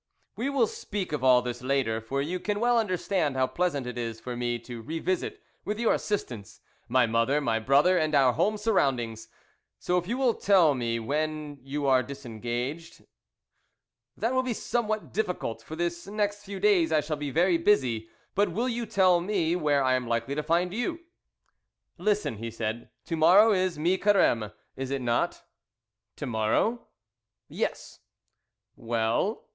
"We will speak of all this later, for you can well understand how pleasant it is for me to re visit with your assistance my mother, my brother, and our home surroundings, so if you will tell me when you are disengaged " "That will be somewhat difficult; for this next few days I shall be very busy, but will you tell me where I am likely to find you." "Listen," he said, "to morrow is Mi Careme, is it not?" "To morrow?" "Yes." "Well?"